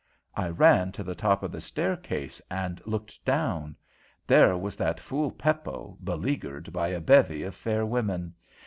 I ran to the top of the staircase and looked down. There was that fool Peppo, beleaguered by a bevy of fair women.